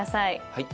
はい。